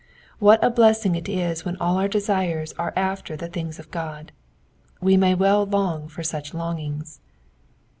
What a blessing it is when all our desires are after the things of God. We may well long for such longings.